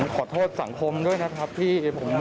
ขอโทษสังคมด้วยนะครับพี่